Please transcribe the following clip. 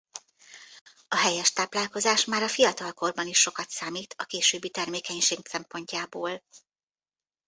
A helyes táplálkozás már a fiatal korban is sokat számít a későbbi termékenység szempontjából.